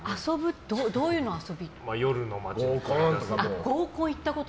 どういうのを遊び？